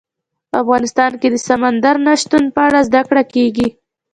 افغانستان کې د سمندر نه شتون په اړه زده کړه کېږي.